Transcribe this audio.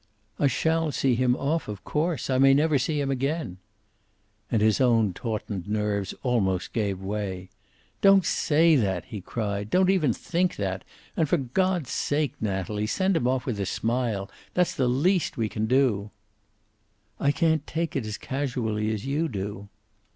"I shall see him off, of course. I may never see him again." And his own tautened nerves almost gave way. "Don't say that!" he cried. "Don't even think that. And for God's sake, Natalie, send him off with a smile. That's the least we can do." "I can't take it as casually as you do."